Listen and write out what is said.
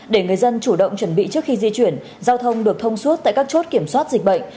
để người dân chủ động chuẩn bị trước khi di chuyển giao thông được thông suốt tại các chốt kiểm soát dịch bệnh